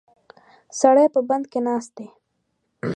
سړی په بند کې ناست دی.